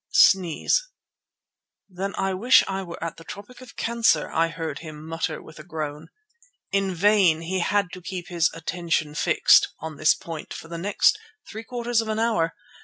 "Then I wish I were at the Tropic of Cancer," I heard him mutter with a groan. In vain; he had to keep his "attention fixed" on this point for the next three quarters of an hour.